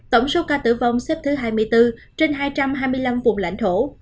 tổng số ca tử vong xếp thứ hai mươi bốn trên hai trăm hai mươi năm vùng lãnh thổ